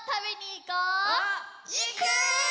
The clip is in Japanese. いく！